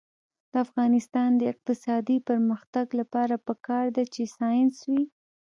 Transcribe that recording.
د افغانستان د اقتصادي پرمختګ لپاره پکار ده چې ساینس وي.